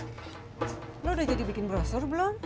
kak lu udah jadi bikin brosur belum